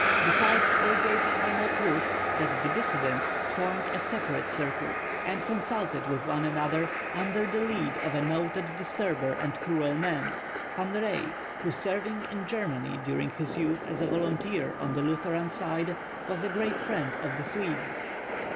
Besides they gave final proof that the dissidents formed a separate circle and consulted with one another under the lead of a noted disturber and cruel man. Pan Rei, who serving in Germany during his youth as a volunteer on the Lutheran side, was a great friend of the Swedes.